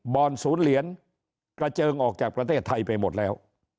อนศูนย์เหรียญกระเจิงออกจากประเทศไทยไปหมดแล้ว